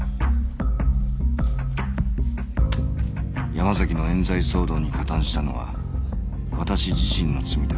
山崎の冤罪騒動に加担したのは私自身の罪だ